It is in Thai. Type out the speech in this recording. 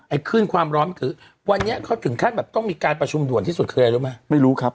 ขึ้นความร้อนคือวันนี้เขาถึงขั้นแบบต้องมีการประชุมด่วนที่สุดคืออะไรรู้ไหมไม่รู้ครับ